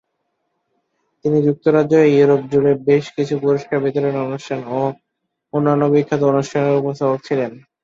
তিনি যুক্তরাজ্য ও ইউরোপ জুড়ে বেশ কিছু পুরস্কার বিতরণী অনুষ্ঠান ও অন্যান্য বিখ্যাত অনুষ্ঠানের উপস্থাপক ছিলেন।